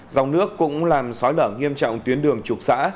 dòng nước cũng làm xói lở nghiêm trọng tuyến đường trục xã